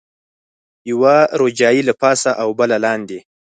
یوه روجایۍ له پاسه او بله لاندې.